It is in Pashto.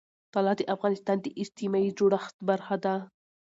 طلا د افغانستان د اجتماعي جوړښت برخه ده.